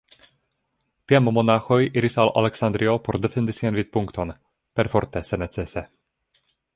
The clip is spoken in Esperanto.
Tiam monaĥoj iris al Aleksandrio por defendi sian vidpunkton, perforte se necese.